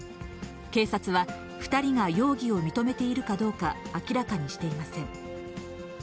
警察は、２人が容疑を認めているかどうか明らかにしていません。